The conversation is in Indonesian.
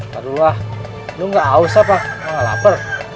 tadulah lu nggak ausah pak lu nggak lapar